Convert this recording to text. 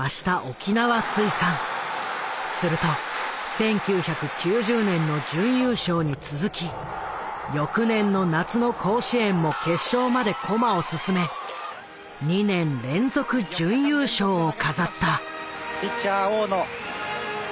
すると１９９０年の準優勝に続き翌年の夏の甲子園も決勝まで駒を進め２年連続準優勝を飾った。